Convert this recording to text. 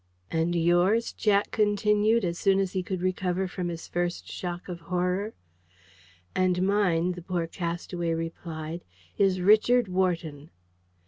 "And yours?" Jack continued, as soon as he could recover from his first shock of horror. "And mine," the poor castaway replied, "is Richard Wharton."